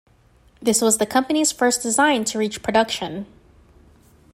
This was the company's first design to reach production.